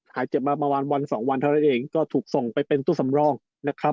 หายเจ็บมาประมาณวันสองวันเท่านั้นเองก็ถูกส่งไปเป็นตู้สำรองนะครับ